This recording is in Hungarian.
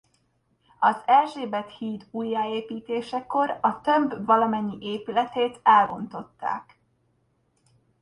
Az Erzsébet híd újjáépítésekor a tömb valamennyi épületét elbontották.